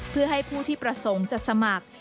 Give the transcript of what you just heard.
เพื่อให้ผู้ที่ประสงค์จะสมัคร